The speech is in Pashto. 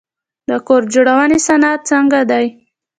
د کور جوړونې صنعت څنګه دی؟